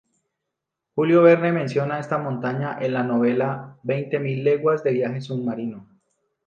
Julio Verne menciona esta montaña en la novela "Veinte mil leguas de viaje submarino".